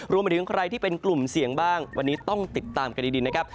รวมไปถึงใครที่เป็นกลุ่มเสี่ยงบ้างวันนี้ต้องติดตามกันดีนะครับ